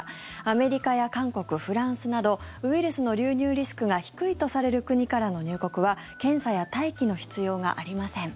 アメリカや韓国、フランスなどウイルスの流入リスクが低いとされる国からの入国は検査や待機の必要がありません。